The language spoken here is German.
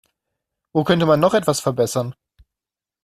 Wo könnte man noch etwas verbessern?